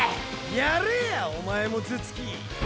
やれやおまえも頭突き。